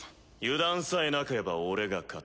油断さえなければ俺が勝つ。